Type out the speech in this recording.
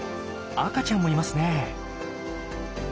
赤ちゃんもいますね。